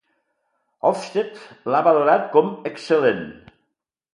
Ofsted l'ha valorat com "Excel·lent".